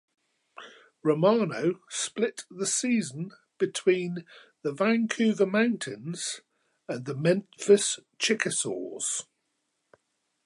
Romano split the season between the Vancouver Mounties and the Memphis Chickasaws.